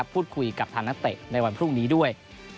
พูดคุยกับทางนักเตะในวันพรุ่งนี้ด้วย